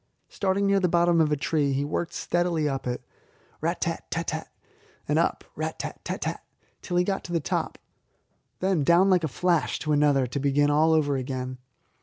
Starting near the bottom of a tree, he worked steadily up it rat tat tat tat! and up rat tat tat tat! till he got to the top; then down like a flash to another, to begin all over again.